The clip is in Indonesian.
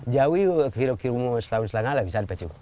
jawi kira kira umur setahun setengah lebih dari pacu